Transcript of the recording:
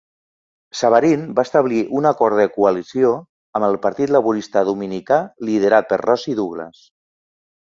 Savarin va establir un acord de coalició amb el partit laborista dominicà liderat per Roosie Douglas.